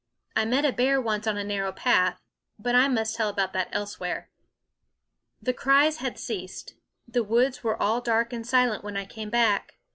I met a bear once on a narrow path but I must tell about that elsewhere. The cries had ceased; the woods were all dark and silent when I came back.